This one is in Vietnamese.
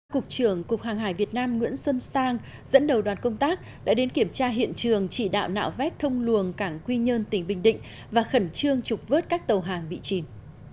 cục trưởng cục hàng hải việt nam nguyễn xuân sang dẫn đầu đoàn công tác đã đến kiểm tra hiện trường chỉ đạo nạo vét thông luồng cảng quy nhơn tỉnh bình định và khẩn trương trục vớt các tàu hàng bị chìm